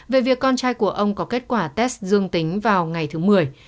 về việc con trai của ông có kết quả test dương tính vào ngày thứ mười